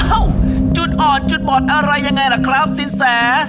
จุดอ่อนจุดบอดอะไรยังไงล่ะครับสินแส